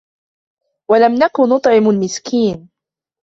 ولم نك نطعم المسكين